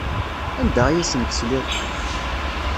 Anda ay asen-tesliḍ?